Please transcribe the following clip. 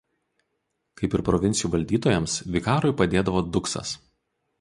Kaip ir provincijų valdytojams vikarui padėdavo duksas.